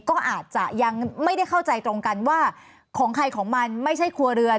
ก็อาจจะยังไม่ได้เข้าใจตรงกันว่าของใครของมันไม่ใช่ครัวเรือน